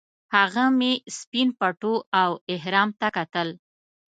هغه مې سپین پټو او احرام ته کتل.